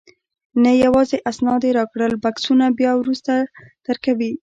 نه، یوازې اسناد یې راکړل، بکسونه بیا وروسته درکوي.